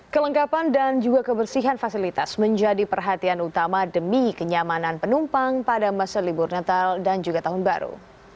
kelengkapan dan juga kebersihan fasilitas menjadi perhatian utama demi kenyamanan penumpang pada masa libur natal dan juga tahun baru